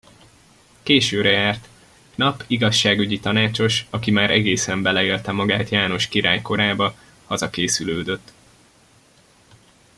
Későre járt; Knap igazságügyi tanácsos, aki már egészen beleélte magát János király korába, hazakészülődött.